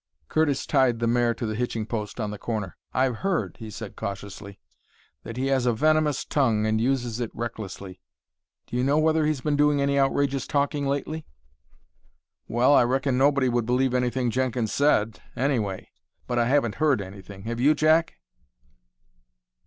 Curtis tied the mare to the hitching post on the corner. "I've heard," he said cautiously, "that he has a venomous tongue and uses it recklessly. Do you know whether he's been doing any outrageous talking lately?" "Well, I reckon nobody would believe anything Jenkins said, anyway. But I haven't heard anything. Have you, Jack?"